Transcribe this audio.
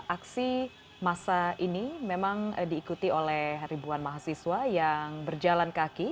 aksi masa ini memang diikuti oleh ribuan mahasiswa yang berjalan kaki